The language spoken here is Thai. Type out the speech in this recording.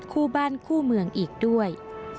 คู่บ้านคู่เมืองอีกด้วย